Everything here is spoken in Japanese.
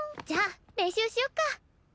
じゃあ練習しよっか。